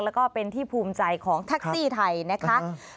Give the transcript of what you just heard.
แล้วก็เป็นที่ภูมิใจของแท็กซี่ไทยนะคะ